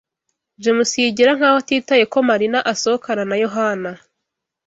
James yigira nkaho atitaye ko Marina asohokana na Yohana.